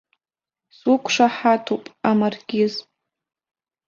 Суқәшаҳаҭуп, амаркиз.